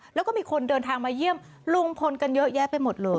แล้วก็มีคนเดินทางมาเยี่ยมลุงพลกันเยอะแยะไปหมดเลย